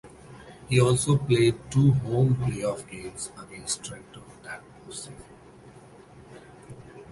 He also played two home playoff games against Trento that postseason.